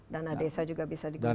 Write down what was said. dana desa juga bisa digunakan